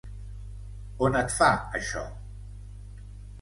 On et fa això?